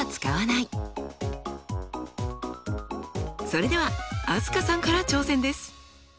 それでは飛鳥さんから挑戦です。